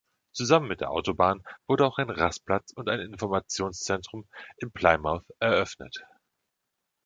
Zusammen mit der Autobahn wurde auch ein Rastplatz und ein Informationszentrum in Plymouth eröffnet.